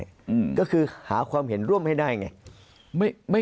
มุมนักวิจักรการมุมประชาชนทั่วไป